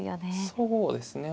そうですね。